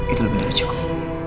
itu lebih dari cukup